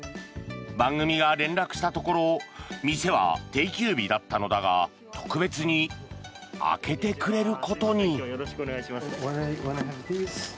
番組が連絡したところ店は定休日だったのだが特別に開けてくれることに。